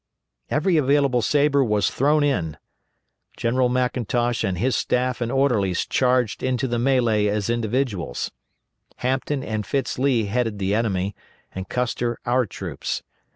Every available sabre was thrown in. General McIntosh and his staff and orderlies charged into the mélée as individuals. Hampton and Fitz Lee headed the enemy, and Custer our troops.